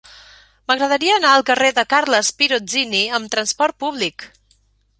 M'agradaria anar al carrer de Carles Pirozzini amb trasport públic.